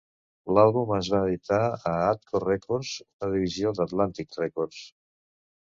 L'àlbum es va editar a Atco Records, una divisió d'Atlantic Records.